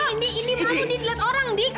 kamu ditelan orang dik